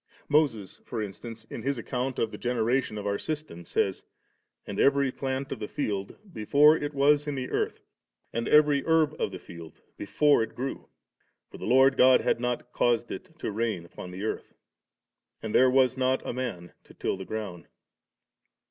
Moses, for instance, in his account of the generation of our system, says, *And every plant of the field, before it was in the earth, and every herb of the field before it grew; for the Lord God had not caused it to rain upon the earth, and there was not a man to till the ground*.'